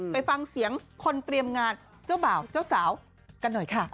ไปฟังเสียงคนเตรียมงานเจ้าบ่าวเจ้าสาวกันหน่อยค่ะ